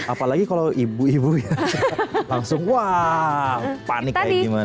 apalagi kalau ibu ibunya langsung wah panik kayak gimana